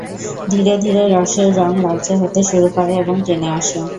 ধীরে ধীরে রসের রং লালচে হতে শুরু করে এবং টেনে আসে।